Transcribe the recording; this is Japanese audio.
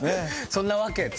「そんなわけ」って？